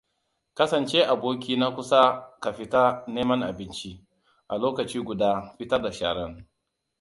Kasance aboki nakusa ka fita neman abinci. A lokaci guda, fitar da sharan.